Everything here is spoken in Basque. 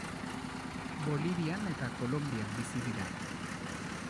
Bolivian eta Kolonbian bizi dira.